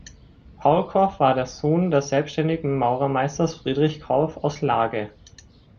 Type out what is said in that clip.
Paul Korff war der Sohn des selbstständigen Maurermeisters Friedrich Korff aus Laage.